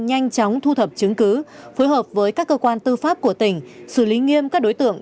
nhanh chóng thu thập chứng cứ phối hợp với các cơ quan tư pháp của tỉnh xử lý nghiêm các đối tượng